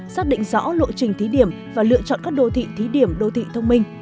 xác định rõ lộ trình thí điểm và lựa chọn các đô thị thí điểm đô thị thông minh